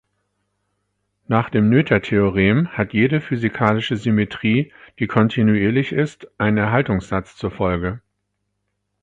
Nach dem Noether-Theorem hat jede physikalische Symmetrie, die kontinuierlich ist, einen Erhaltungssatz zur Folge.